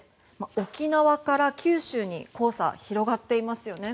沖縄から九州に黄砂、広がっていますよね。